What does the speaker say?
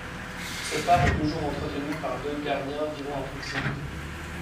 Ce phare est toujours entretenu par deux gardiens vivant à proximité.